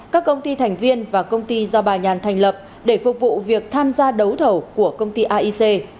các công ty thành viên và công ty do bà nhàn thành lập để phục vụ việc tham gia đấu thầu của công ty aic